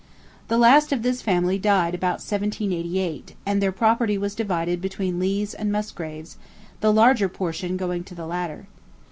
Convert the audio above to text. The last of this family died about 1778, and their property was divided between Leighs and Musgraves, the larger portion going to the latter.